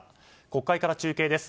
国会から中継です。